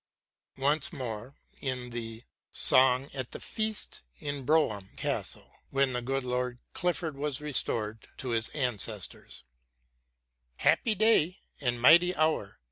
Once more, in the "Song at the Feast of Brougham Castle," when the good Lord Clifford was restored to his ancestors : Happy day, and mighty hour.